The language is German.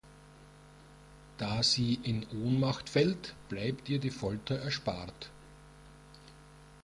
Da sie in Ohnmacht fällt, bleibt ihr die Folter erspart.